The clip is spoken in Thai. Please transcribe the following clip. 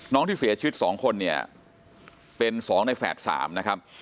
น้องที่เสียชีวิตสองคนเนี่ยเป็นสองในแฝดสามนะครับ